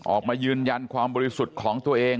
ออกมายืนยันความบริสุทธิ์ของตัวเอง